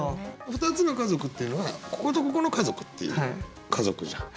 「ふたつの家族」っていうのはこことここの家族っていう「家族」じゃん。